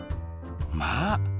まあ！